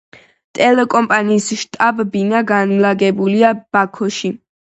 ტელეკომპანიის შტაბ-ბინა განლაგებულია ბაქოში.